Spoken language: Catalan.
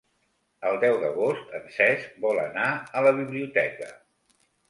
El deu d'agost en Cesc vol anar a la biblioteca.